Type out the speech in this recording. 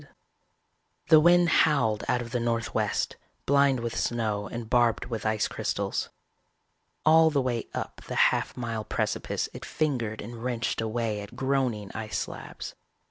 _ Illustrated by Schoenherr The wind howled out of the northwest, blind with snow and barbed with ice crystals. All the way up the half mile precipice it fingered and wrenched away at groaning ice slabs.